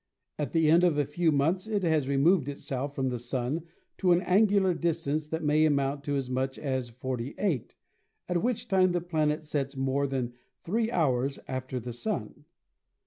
At the end of a few months it has removed itself from the Sun to an angular distance that may amount to as much as 48 , at which time the planet sets more than three hours after the Sun.